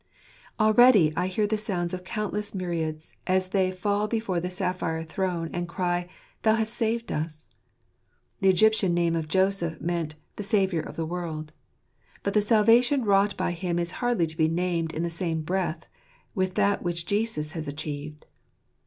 Already I hear the sound of countless myriads, as they fall before the sapphire throne, and cry, " Thou hast saved us ! ,J The Egyptian name of Joseph meant, 11 the Saviour of the world " y but the salvation wrought by him is hardly to be named in the same breath with that which Jesus has achieved.